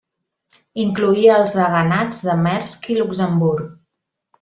Incloïa els deganats de Mersch i Luxemburg.